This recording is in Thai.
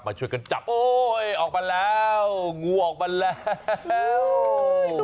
ช่วยกันจับโอ้ยออกมาแล้วงูออกมาแล้ว